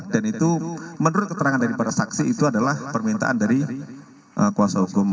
dan itu menurut keterangan dari para saksi itu adalah permintaan dari kuasa hukum